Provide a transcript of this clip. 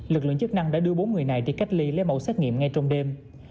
lực lượng chức năng đã đưa bốn người này đi cách ly lấy mẫu xét nghiệm ngay trong đêm